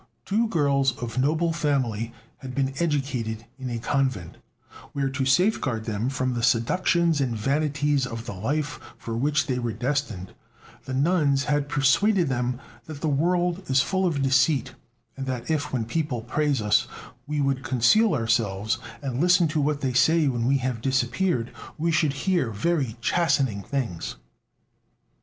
Two girls of noble family had been educated in a convent, where, to safeguard them from the seductions and vanities of the life for which they were destined, the nuns had persuaded them that the world is full of deceit, and that if, when people praise us, we could conceal ourselves and listen to what they say when we have disappeared, we should hear very chastening things.